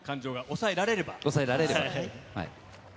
抑えられれば。